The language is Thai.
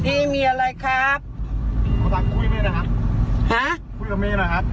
มึงพี่มีอะไรครับเราต้องคุยไหมนะครับฮะคุยกับเมย์นะครับ